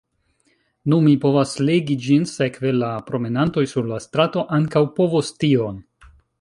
Nu, mi povas legi ĝin, sekve: la promenantoj sur la strato ankaŭ povos tion.